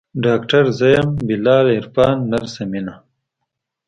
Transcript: ډاکتر يې زه يم بلال عرفان نرسه مينه.